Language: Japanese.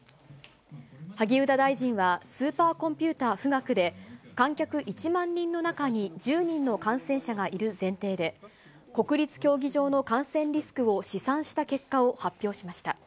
萩生田大臣は、スーパーコンピュータ富岳で観客１万人の中に１０人の感染者がいる前提で、国立競技場の感染リスクを試算した結果を発表しました。